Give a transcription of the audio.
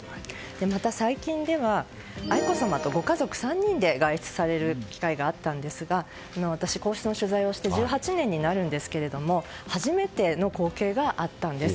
また、最近では愛子さまとご家族３人で外出される機会があったんですが私、皇室の取材をして１８年になるんですが初めての光景があったんです。